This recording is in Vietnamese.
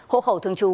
hậu khẩu thường trú